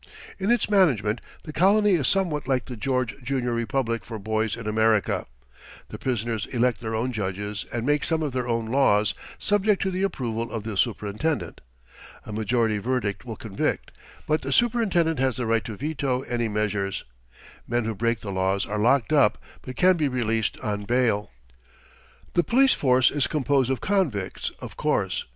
In its management, the colony is somewhat like the George Junior Republic for boys in America. The prisoners elect their own judges and make some of their own laws, subject to the approval of the superintendent. A majority verdict will convict, but the superintendent has the right to veto any measures. Men who break the laws are locked up, but can be released on bail. The police force is composed of convicts, of course.